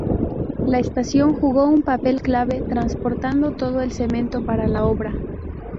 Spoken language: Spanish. La estación jugó un papel clave transportando todo el cemento para la obra.